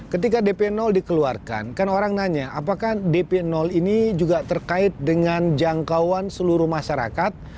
ketika dp dikeluarkan kan orang nanya apakah dp ini juga terkait dengan jangkauan seluruh masyarakat